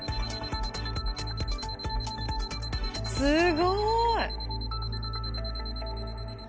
すごい！